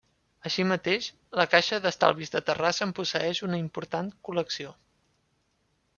Així mateix, la Caixa d'Estalvis de Terrassa en posseeix una important col·lecció.